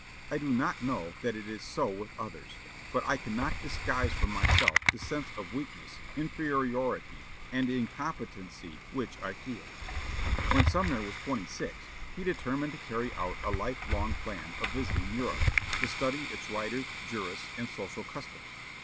I do not know that it is so with others; but I cannot disguise from myself the sense of weakness, inferiority, and incompetency which I feel." When Sumner was twenty six, he determined to carry out a life long plan of visiting Europe, to study its writers, jurists, and social customs.